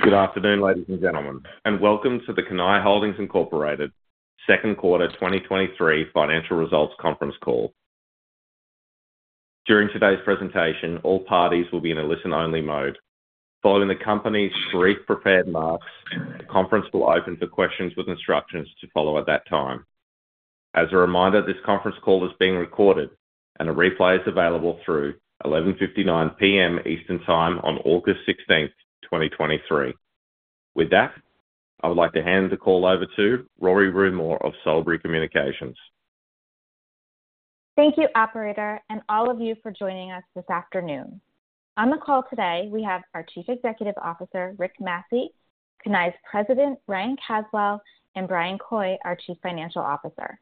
Good afternoon, ladies and gentlemen, and welcome to the Cannae Holdings, Inc. Second Quarter 2023 Financial Results Conference Call. During today's presentation, all parties will be in a listen-only mode. Following the Company's brief prepared remarks, the conference will open for questions with instructions to follow at that time. As a reminder, this conference call is being recorded and a replay is available through 11:59 P.M. ET on August 16, 2023. With that, I would like to hand the call over to Rory Rumore of Solebury Communications. Thank you, operator, and all of you for joining us this afternoon. On the call today, we have our Chief Executive Officer, Rick Massey, Cannae's President, Ryan Caswell, and Bryan Coy, our Chief Financial Officer.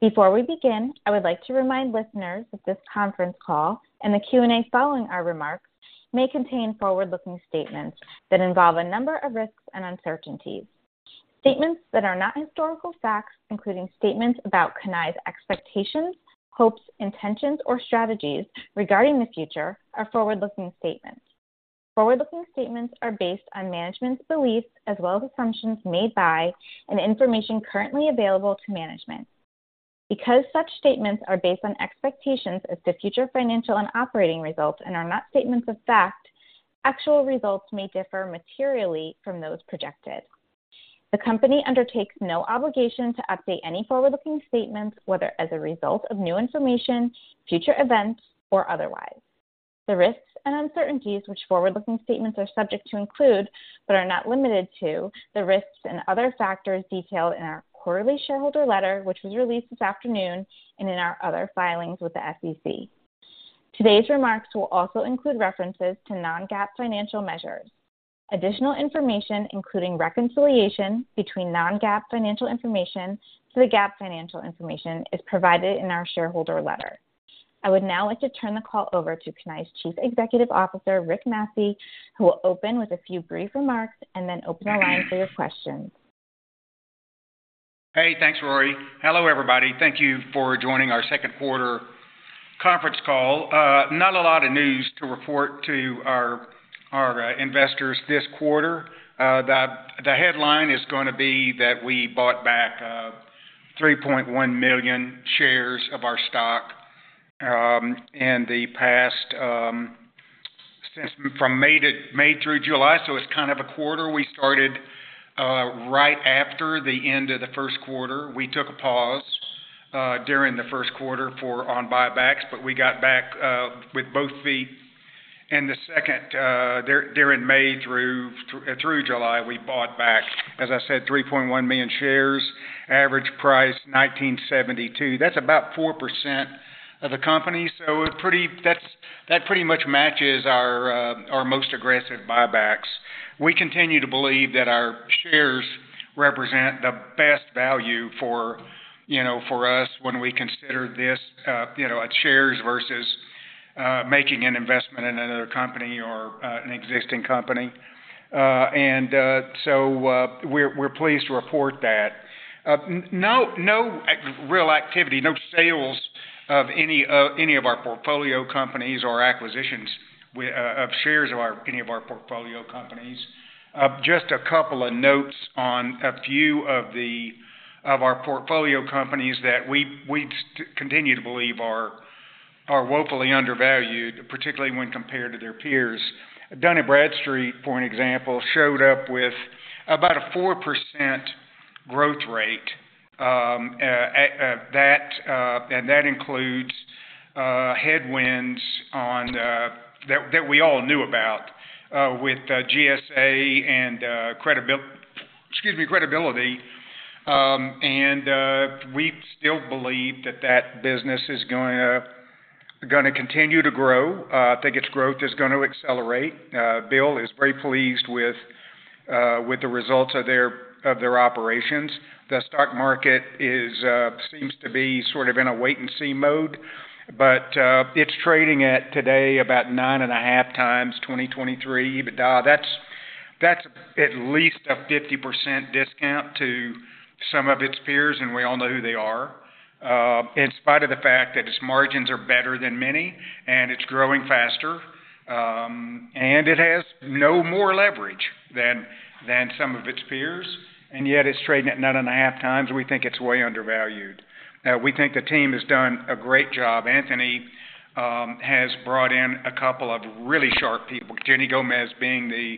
Before we begin, I would like to remind listeners that this conference call and the Q&A following our remarks may contain forward-looking statements that involve a number of risks and uncertainties. Statements that are not historical facts, including statements about Cannae's expectations, hopes, intentions, or strategies regarding the future are forward-looking statements. Forward-looking statements are based on management's beliefs as well as assumptions made by and information currently available to management. Because such statements are based on expectations as to future financial and operating results and are not statements of fact, actual results may differ materially from those projected. The Company undertakes no obligation to update any forward-looking statements, whether as a result of new information, future events, or otherwise. The risks and uncertainties which forward-looking statements are subject to include, but are not limited to, the risks and other factors detailed in our quarterly shareholder letter, which was released this afternoon, and in our other filings with the SEC. Today's remarks will also include references to non-GAAP financial measures. Additional information, including reconciliation between non-GAAP financial information to the GAAP financial information, is provided in our shareholder letter. I would now like to turn the call over to Cannae's Chief Executive Officer, Rick Massey, who will open with a few brief remarks and then open our line for your questions. Hey, thanks, Rory. Hello, everybody. Thank you for joining our second quarter conference call. Not a lot of news to report to our, our investors this quarter. The, the headline is gonna be that we bought back 3.1 million shares of our stock, in the past, since from May through July. It's kind of a quarter. We started, right after the end of the first quarter. We took a pause, during the first quarter for on buybacks, we got back, with both feet in the second, during May through, through July. We bought back, as I said, 3.1 million shares, average price $19.72. That's about 4% of the Company. It that's, that pretty much matches our most aggressive buybacks. We continue to believe that our shares represent the best value for, you know, for us when we consider this, you know, shares versus making an investment in another Company or an existing Company. We're pleased to report that. No, no real activity, no sales of any any of our portfolio companies or acquisitions of shares of our, any of our portfolio companies. Just a couple of notes on a few of the, of our portfolio companies that we, we continue to believe are, are woefully undervalued, particularly when compared to their peers. Dun & Bradstreet, for an example, showed up with about a 4% growth rate. That includes headwinds on that, that we all knew about, with GSA and Credibility. We still believe that that business is gonna continue to grow. I think its growth is going to accelerate. Bill is very pleased with the results of their operations. The stock market seems to be sort of in a wait-and-see mode, it's trading at today about 9.5x 2023. That's at least a 50% discount to some of its peers, and we all know who they are. In spite of the fact that its margins are better than many, and it's growing faster, and it has no more leverage than some of its peers, and yet it's trading at 9.5x. We think it's way undervalued. We think the team has done a great job. Anthony has brought in a couple of really sharp people, Ginny Gomez being the,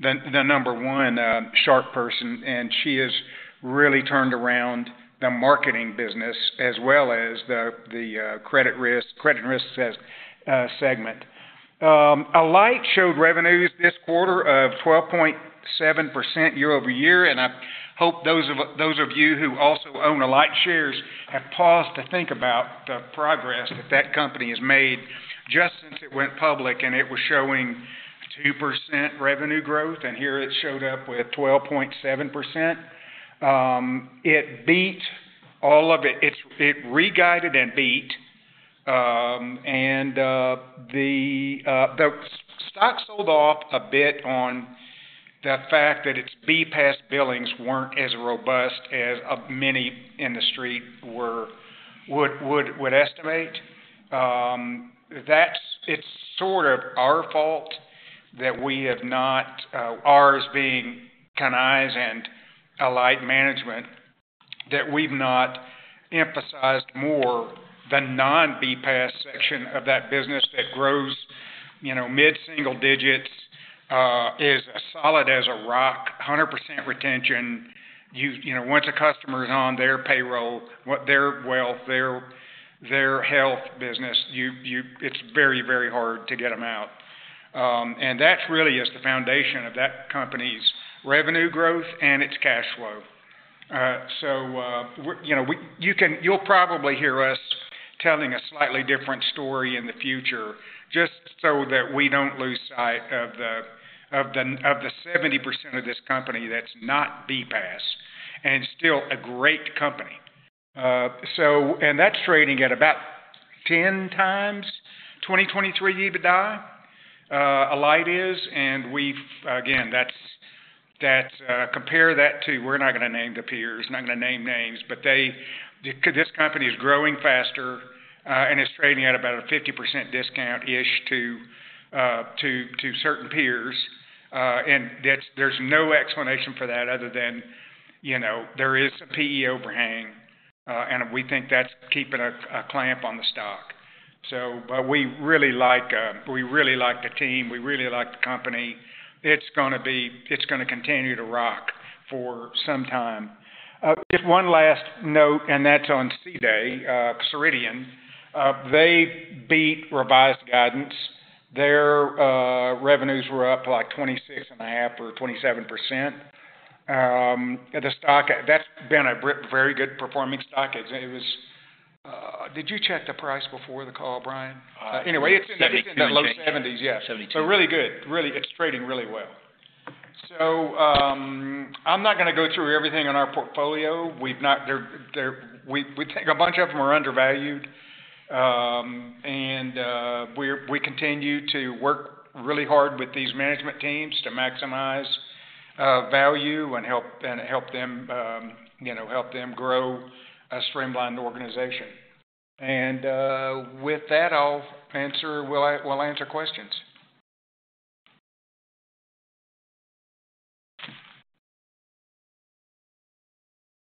the, the number one sharp person, and she has really turned around the marketing business as well as the, the credit risk, credit risk segment. Alight showed revenues this quarter of 12.7% year-over-year, and I hope those of you who also own Alight shares have paused to think about the progress that that company has made just since it went public, and it was showing 2% revenue growth, and here it showed up with 12.7%. It beat all of it. It reguided and beat, and the stock sold off a bit on the fact that its BPaaS billings weren't as robust as many in the street would estimate. That's it's sort of our fault that we have not, ours being Cannae and Alight, that we've not emphasized more the non-BPaaS section of that business that grows, you know, mid-single digits, is as solid as a rock, 100% retention. You know, once a customer is on their payroll, what their wealth, their, their health business, it's very, very hard to get them out. That really is the foundation of that Company's revenue growth and its cash flow. We're, you know, you'll probably hear us telling a slightly different story in the future, just so that we don't lose sight of the, of the, of the 70% of this Company that's not BPaaS, and still a great Company. That's trading at about 10x 2023 EBITDA, Alight is, and we've... Again, that's, that's, compare that to, we're not gonna name the peers, I'm not gonna name names, but they-- this Company is growing faster, and it's trading at about a 50% discount to, to, to certain peers. There's no explanation for that other than, you know, there is a PE overhang, and we think that's keeping a, a clamp on the stock. We really like, we really like the team, we really like the Company. It's gonna be-- it's gonna continue to rock for some time. Just one last note, and that's on CDAY, Ceridian. They beat revised guidance. Their revenues were up, like, 26.5% or 27%. The stock, that's been a very good performing stock. It, it was... Did you check the price before the call, Bryan? Anyway, it's in the low 70s. Yeah. 72. Really good. Really, it's trading really well. I'm not gonna go through everything in our portfolio. We've not. They're, we think a bunch of them are undervalued. We continue to work really hard with these management teams to maximize value and help, and help them, you know, help them grow a streamlined organization. With that, I'll answer, we'll answer questions.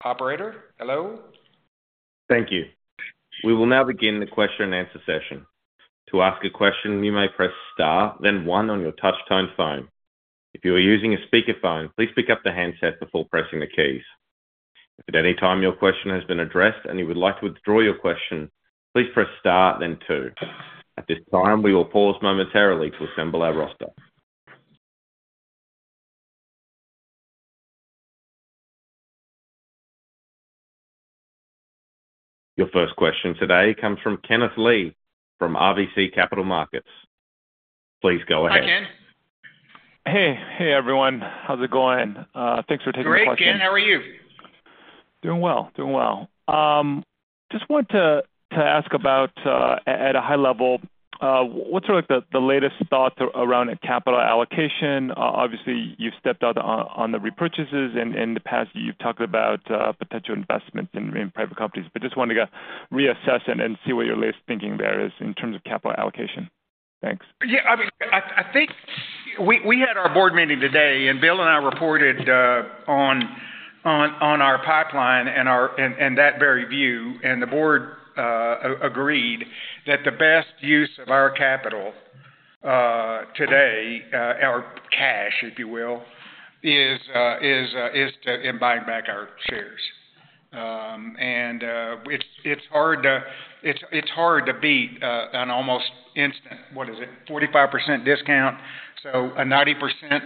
Operator, hello? Thank you. We will now begin the question and answer session. To ask a question, you may press Star one on your touch tone phone. If you are using a speakerphone, please pick up the handset before pressing the keys. If at any time your question has been addressed and you would like to withdraw your question, please press Star two. At this time, we will pause momentarily to assemble our roster. Your first question today comes from Kenneth Lee, from RBC Capital Markets. Please go ahead. Hi, Ken. Hey, hey, everyone. How's it going? Thanks for taking my question. Great, Ken. How are you? Doing well. Doing well. Just wanted to, to ask about, at, at a high level, what's like the, the latest thoughts around capital allocation? Obviously, you've stepped out on, on the repurchases, and, and in the past, you've talked about, potential investments in, in private companies, but just wanted to, reassess and, and see what your latest thinking there is in terms of capital allocation. Thanks. Yeah, I mean, I, I think we, we had our Board meeting today. Bill and I reported on our pipeline and that very view, and the Board agreed that the best use of our capital today, our cash, if you will, is to in buying back our shares. It's hard to beat an almost instant, what is it? 45% discount. So a 90%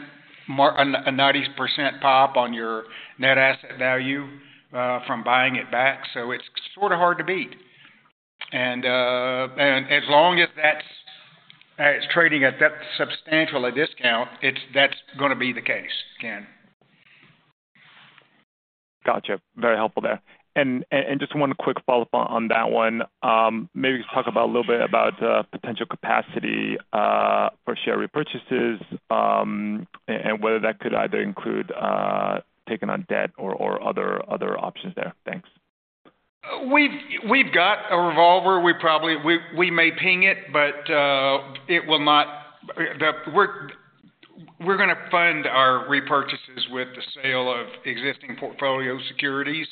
pop on your net asset value from buying it back. So it's sort of hard to beat. As long as that's, it's trading at that substantial a discount, that's gonna be the case, Ken. Gotcha. Very helpful there. Just one quick follow-up on that one. Maybe just talk about a little bit about potential capacity for share repurchases and whether that could either include taking on debt or other options there. Thanks. We've, got a revolver. We probably-- we, we may ping it, but it will not-- the, we're, we're gonna fund our repurchases with the sale of existing portfolio securities.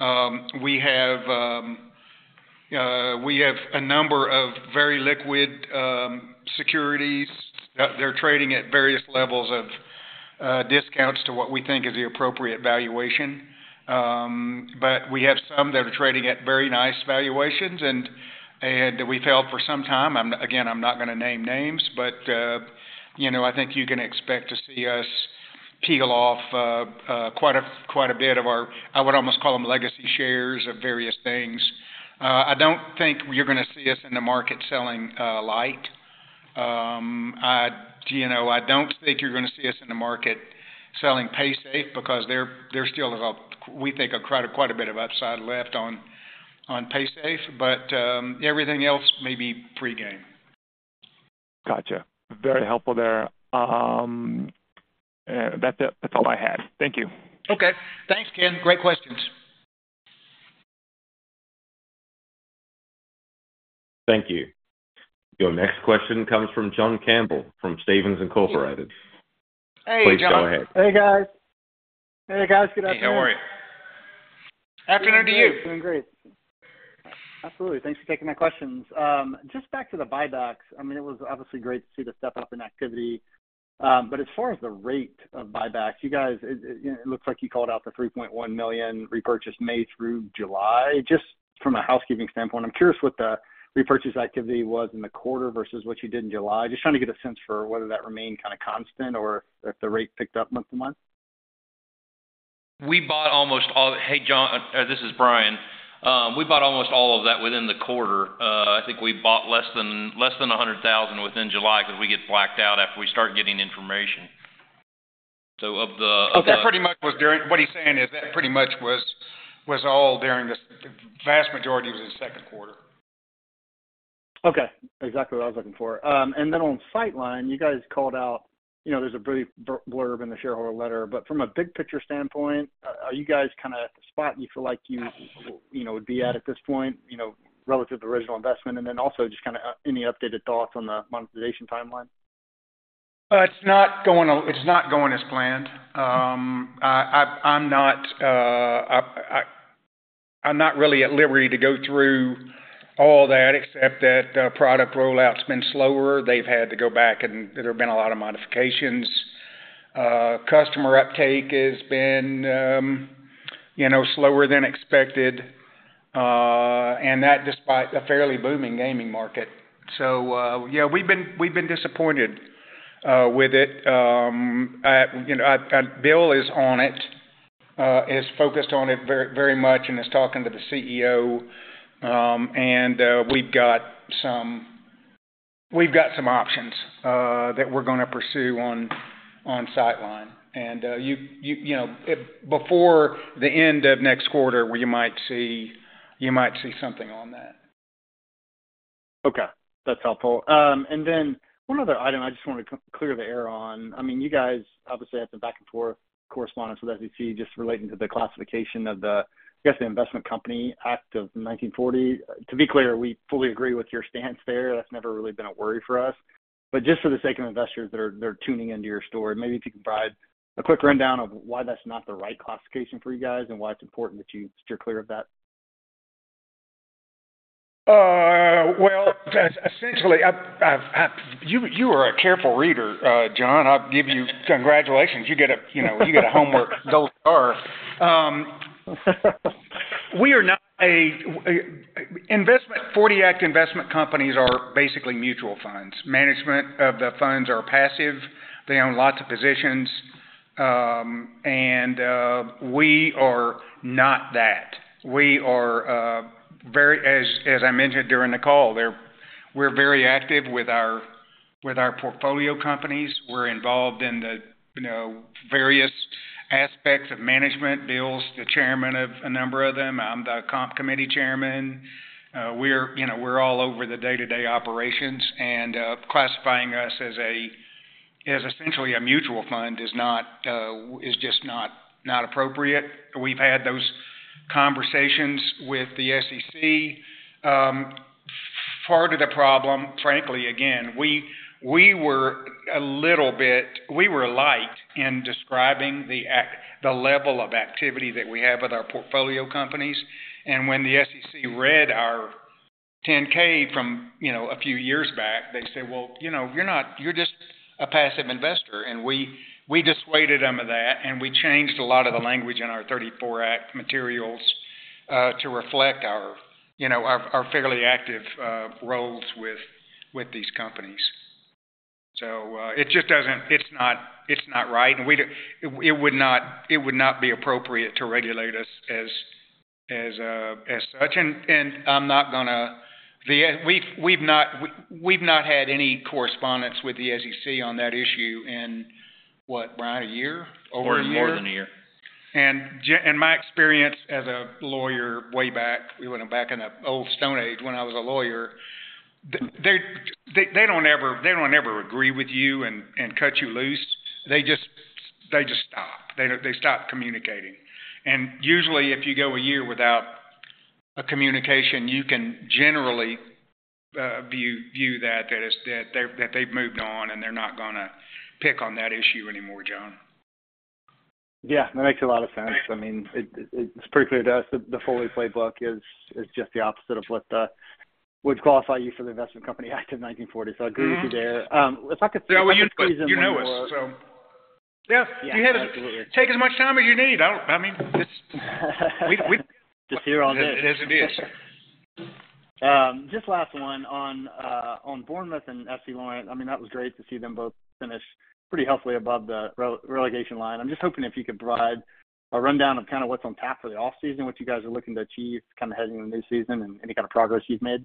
We have, we have a number of very liquid securities. They're trading at various levels of discounts to what we think is the appropriate valuation. But we have some that are trading at very nice valuations, and, and that we've held for some time. I'm, again, I'm not gonna name names, but, you know, I think you can expect to see us peel off quite a, quite a bit of our, I would almost call them legacy shares of various things. I don't think you're gonna see us in the market selling Alight. You know, I don't think you're gonna see us in the market-... selling Paysafe because there, there's still, we think, a quite, quite a bit of upside left on, on Paysafe, but everything else may be pre-game. Gotcha. Very helpful there. That's it. That's all I had. Thank you. Okay. Thanks, Ken. Great questions. Thank you. Your next question comes from John Campbell from Stephens Inc. Hey, John. Hey, guys. Hey, guys, good afternoon. Hey, how are you? Afternoon to you. Doing great. Absolutely. Thanks for taking my questions. Just back to the buybacks. I mean, it was obviously great to see the step up in activity, but as far as the rate of buybacks, you guys, it, it looks like you called out for 3.1 million repurchase May through July. Just from a housekeeping standpoint, I'm curious what the repurchase activity was in the quarter versus what you did in July. Just trying to get a sense for whether that remained kind of constant or if the rate picked up month to month. We bought almost all-- Hey, John, this is Bryan. We bought almost all of that within the quarter. I think we bought less than, less than $100,000 within July because we get blacked out after we start getting information. Of the- What he's saying is that pretty much was all during the vast majority was in the second quarter. Okay, exactly what I was looking for. And then on Sightline, you guys called out, you know, there's a brief blurb in the shareholder letter, but from a big picture standpoint, are you guys kind of at the spot you feel like you, you know, would be at, at this point, you know, relative to original investment? And then also, just kind of, any updated thoughts on the monetization timeline? It's not going, it's not going as planned. I'm not really at liberty to go through all that, except that the product rollout's been slower. They've had to go back, and there have been a lot of modifications. Customer uptake has been, you know, slower than expected, and that despite a fairly booming gaming market. Yeah, we've been, we've been disappointed with it. I, you know, Bill is on it, is focused on it very, very much and is talking to the CEO. We've got some, we've got some options that we're gonna pursue on, on Sightline. You, you, you know, if before the end of next quarter, we might see you might see something on that. Okay, that's helpful. Then one other item I just wanted to clear the air on. I mean, you guys obviously had some back and forth correspondence with SEC just relating to the classification of the, I guess, the Investment Company Act of 1940. To be clear, we fully agree with your stance there. That's never really been a worry for us. But just for the sake of investors that are, that are tuning into your story, maybe if you could provide a quick rundown of why that's not the right classification for you guys, and why it's important that you steer clear of that. Well, essentially, I, I've, You, you are a careful reader, John. I'll give you congratulations. You get a, you know, you get a homework gold star. We are not a, investment, Investment Company Act of 1940 investment companies are basically mutual funds. Management of the funds are passive. They own lots of positions, and we are not that. We are very, as, as I mentioned during the call, we're very active with our, with our portfolio companies. We're involved in the, you know, various aspects of management. Bill's the chairman of a number of them. I'm the comp committee chairman. We're, you know, we're all over the day-to-day operations, and classifying us as a, as essentially a mutual fund is not, is just not, not appropriate. We've had those conversations with the SEC. Part of the problem, frankly, again, we, we were a little bit light in describing the level of activity that we have with our portfolio companies. When the SEC read our 10-K from, you know, a few years back, they said: Well, you know, you're not, you're just a passive investor. We, we dissuaded them of that, and we changed a lot of the language in our Securities Exchange Act of 1934 materials to reflect our, you know, our, our fairly active roles with, with these companies. It just doesn't. It's not, it's not right, and we don't, it would not, it would not be appropriate to regulate us as, as such. I'm not gonna. We, we've, we've not, we've not had any correspondence with the SEC on that issue in what, Bryan, a year? Over a year. More than a year. John in my experience as a lawyer, way back, we went back in the old stone age when I was a lawyer, they, they, they don't ever, they don't ever agree with you and, and cut you loose. They just, they just stop. They, they stop communicating. Usually, if you go a year without a communication, you can generally view that as that they've moved on, and they're not gonna pick on that issue anymore, John. Yeah, that makes a lot of sense. I mean, it, it, it's pretty clear to us that the Foley playbook is, is just the opposite of what would qualify you for the Investment Company Act of 1940. Mm-hmm. I agree with you there. if I could- You know us. Yeah. Yeah, absolutely. Take as much time as you need. I don't... I mean, it's... Just here all day. It is what it is. Just last one on, on Bournemouth and FC Lorient. I mean, that was great to see them both finish pretty healthily above the relegation line. I'm just hoping if you could provide a rundown of kind of what's on tap for the off-season, what you guys are looking to achieve kind of heading in the new season, and any kind of progress you've made? ...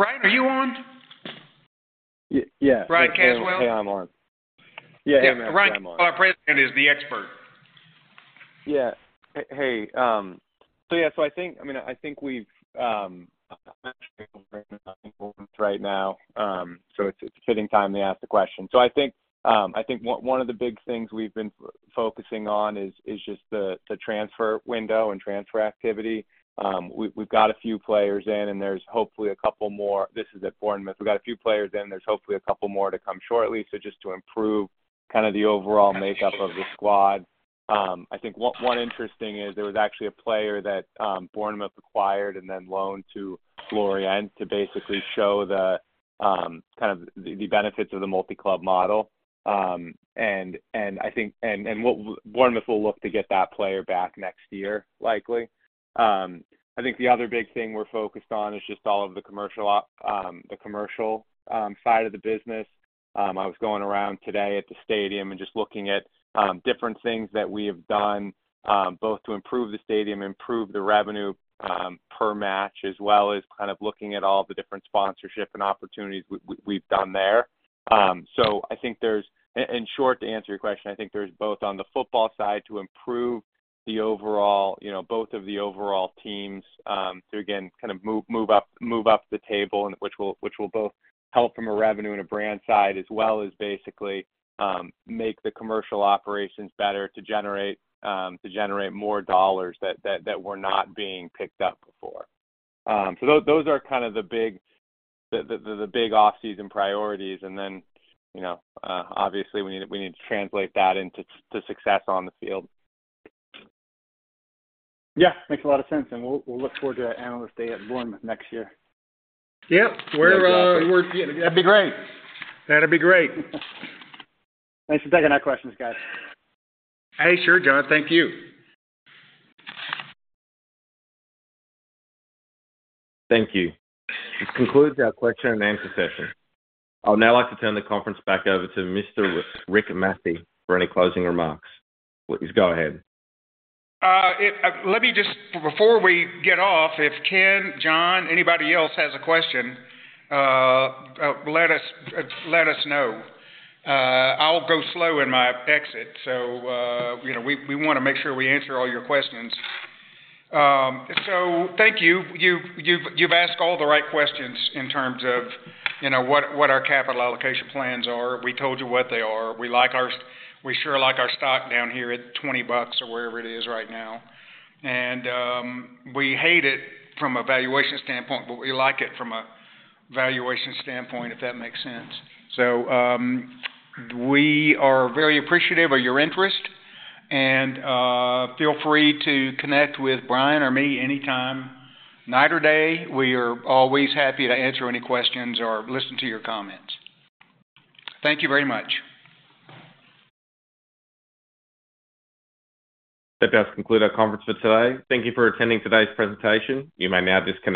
Ryan, are you on? Yeah. Ryan Caswell? Hey, I'm on. Yeah, hey, Matt, I'm on. Ryan, our President, is the expert. Yeah. Hey, yeah, I think, I mean, I think we've, right now, it's a fitting time to ask the question. I think, I think one, one of the big things we've been focusing on is, is just the, the transfer window and transfer activity. We've, we've got a few players in, and there's hopefully a couple more. This is at Bournemouth. We've got a few players in, there's hopefully a couple more to come shortly, so just to improve kind of the overall makeup of the squad. I think one, one interesting is there was actually a player that, Bournemouth acquired and then loaned to Lorient to basically show the, kind of the, the benefits of the multi-club model. What Bournemouth will look to get that player back next year, likely. I think the other big thing we're focused on is just all of the commercial, the commercial, side of the business. I was going around today at the stadium and just looking at, different things that we have done, both to improve the stadium, improve the revenue, per match, as well as kind of looking at all the different sponsorship and opportunities we've done there. I think there's... Short to answer your question, I think there's both on the football side to improve the overall, you know, both of the overall teams, to, again, kind of move, move up, move up the table, and which will, which will both help from a revenue and a brand side, as well as basically, make the commercial operations better to generate, to generate more dollars that, that, that were not being picked up before. Those are kind of the big, the, the, the big off-season priorities, and then, you know, obviously, we need, we need to translate that into to success on the field. Yeah, makes a lot of sense, and we'll, we'll look forward to that Analyst Day at Bournemouth next year. Yep, we're. That'd be great. That'd be great. Thanks for taking our questions, guys. Hey, sure, John. Thank you. Thank you. This concludes our question and answer session. I'd now like to turn the conference back over to Mr. Rick Massey for any closing remarks. Please, go ahead. If, let me just, before we get off, if Ken, John, anybody else has a question, let us, let us know. I'll go slow in my exit, so, you know, we, we wanna make sure we answer all your questions. Thank you. You've asked all the right questions in terms of, you know, what, what our capital allocation plans are. We told you what they are. We like our- we sure like our stock down here at $20 or wherever it is right now. We hate it from a valuation standpoint, but we like it from a valuation standpoint, if that makes sense. We are very appreciative of your interest, and, feel free to connect with Bryan or me anytime, night or day. We are always happy to answer any questions or listen to your comments. Thank you very much. That does conclude our conference for today. Thank you for attending today's presentation. You may now disconnect.